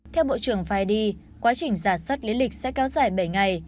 theo bộ trưởng fidi quá trình giả soát lý lịch sẽ kéo dài bảy ngày